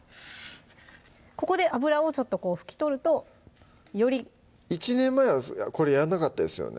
ここで脂をちょっと拭き取るとより１年前はこれやんなかったですよね